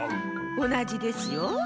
おなじですよ。